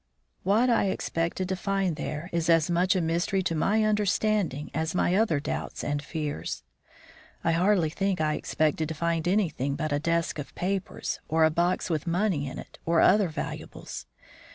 What I expected to find there is as much a mystery to my understanding as my other doubts and fears. I hardly think I expected to find anything but a desk of papers, or a box with money in it or other valuables.